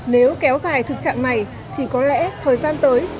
nếu kéo dài thực trạng này thì có lẽ thời gian tới